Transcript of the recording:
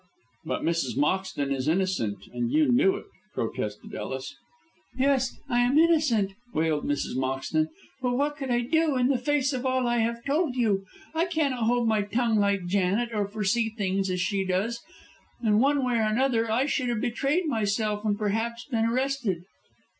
"But Mrs. Moxton is innocent, and you knew it," protested Ellis. "Yes, I am innocent," wailed Mrs. Moxton, "but what could I do in the face of all I have told you. I cannot hold my tongue like Janet, or foresee things as she does. In one way or another I should have betrayed myself and perhaps have been arrested.